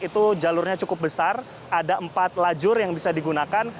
itu jalurnya cukup besar ada empat lajur yang bisa digunakan